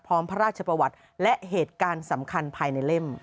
พระราชประวัติและเหตุการณ์สำคัญภายในเล่ม